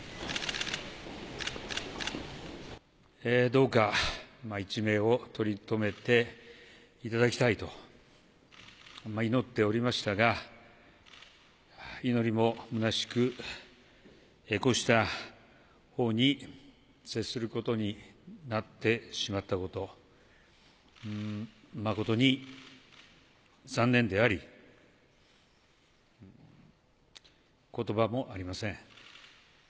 どうか一命を取り留めていただきたいと祈っておりましたが、祈りもむなしく、こうした報に接することになってしまったこと、誠に残念であり、ことばもありません。